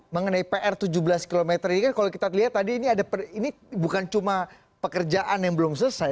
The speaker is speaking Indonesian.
mengenai pr tujuh belas km ini kan kalau kita lihat tadi ini ada ini bukan cuma pekerjaan yang belum selesai